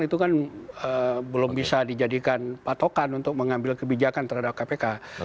itu kan belum bisa dijadikan patokan untuk mengambil kebijakan terhadap kpk